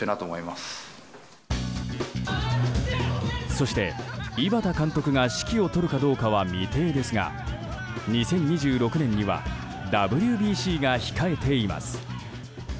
そして、井端監督が指揮を執るかどうかは未定ですが２０２６年にはＷＢＣが控えています。